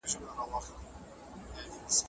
د پوهنې د پراختیا لپاره د خلکو مشارکت زیات نه و.